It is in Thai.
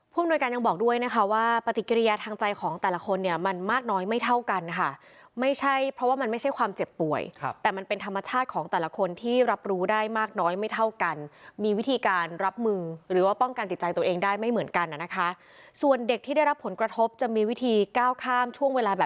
อำนวยการยังบอกด้วยนะคะว่าปฏิกิริยาทางใจของแต่ละคนเนี่ยมันมากน้อยไม่เท่ากันค่ะไม่ใช่เพราะว่ามันไม่ใช่ความเจ็บป่วยแต่มันเป็นธรรมชาติของแต่ละคนที่รับรู้ได้มากน้อยไม่เท่ากันมีวิธีการรับมือหรือว่าป้องกันจิตใจตัวเองได้ไม่เหมือนกันนะคะส่วนเด็กที่ได้รับผลกระทบจะมีวิธีก้าวข้ามช่วงเวลาแบบ